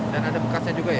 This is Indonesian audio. dan ada bekasnya juga ya